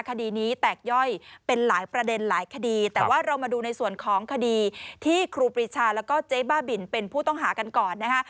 คดีนี้แตกย่อยเป็นหลายประเด็นหลายคดีแต่ว่าเรามาดูในส่วนของคดีที่ครูปรีชาแล้วก็เจ๊บ้าบินเป็นผู้ต้องหากันก่อนนะคะ